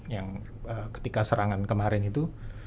yang ketika serangan kemarin itu